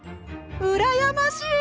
うらやましい！